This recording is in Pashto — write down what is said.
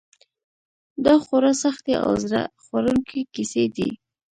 دا خورا سختې او زړه خوړونکې کیسې دي.